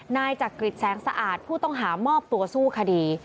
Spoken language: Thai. นายจักริจแสงสะอาดผู้ต้องหามอบตัวสู้คดี